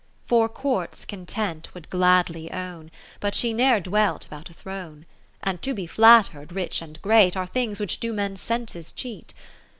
II For Courts Content would gladly own, But she ne'er dwelt about a throne : And to be flatter'd, rich, and great, Are things which do men's senses cheat.